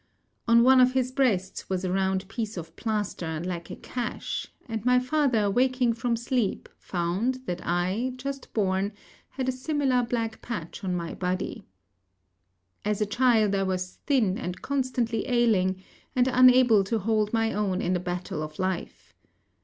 On one of his breasts was a round piece of plaster like a cash; and my father, waking from sleep, found that I, just born, had a similar black patch on my body. As a child, I was thin and constantly ailing, and unable to hold my own in the battle of life.